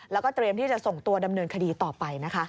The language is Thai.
แล้วก็เตรียมที่จะส่งตัวดำเนินคดีต่อไปนะคะ